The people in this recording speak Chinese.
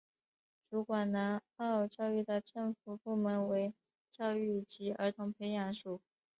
主管南澳教育的政府部门为教育及儿童培育署。